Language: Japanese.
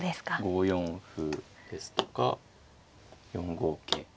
５四歩ですとか４五桂。